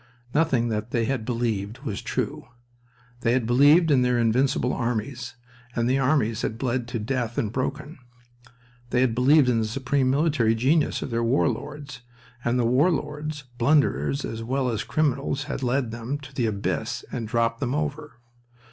Nothing that they had believed was true. They had believed in their invincible armies and the armies had bled to death and broken. They had believed in the supreme military genius of their war lords, and the war lords, blunderers as well as criminals, had led them to the abyss and dropped them over.